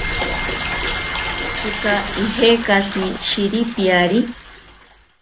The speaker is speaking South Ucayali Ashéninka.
¿Tzika ijekaki sheripiari?